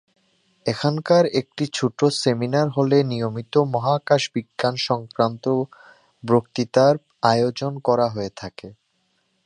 এখানকার একটি ছোটো সেমিনার হলে নিয়মিত মহাকাশ বিজ্ঞান সংক্রান্ত বক্তৃতার আয়োজন করা হয়ে থাকে।